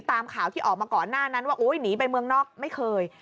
ตามข่าวที่ออกมาก่อนหน้านั้นว่าหนีไปเมืองนอกไม่เคย